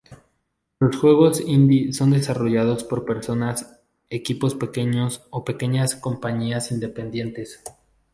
Los juegos indie son desarrollados por personas, equipos pequeños, o pequeñas compañías independientes.